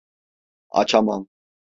Açamam.